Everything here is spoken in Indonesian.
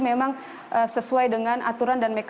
memang sesuai dengan aturan dan markas mereka